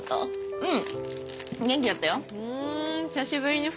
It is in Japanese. うん。